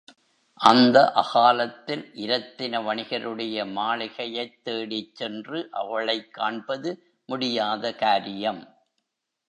அந்த அகாலத்தில் இரத்தின வணிகருடைய மாளிகையைத் தேடிச் சென்று அவளைக் காண்பது முடியாத காரியம்.